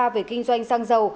về kinh doanh xăng dầu